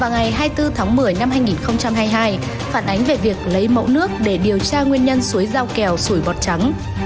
ngày hai mươi bốn tháng một mươi năm hai nghìn hai mươi hai phản ánh về việc lấy mẫu nước để điều tra nguyên nhân suối giao kèo sủi bọt trắng